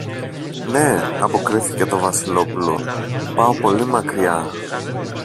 Ναι, αποκρίθηκε το Βασιλόπουλο, πάω πολύ μακριά.